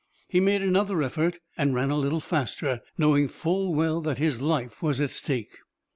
He made another effort, and ran a little faster, knowing full well that his life was at stake.